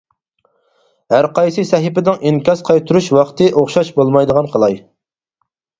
ھەرقايسى سەھىپىنىڭ ئىنكاس قايتۇرۇش ۋاقتى ئوخشاش بولمايدىغان قىلاي!